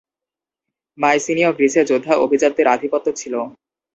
মাইসিনীয় গ্রিসে যোদ্ধা অভিজাতদের আধিপত্য ছিল।